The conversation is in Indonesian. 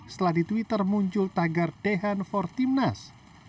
setelah di twitter muncul tagar dejan for timnas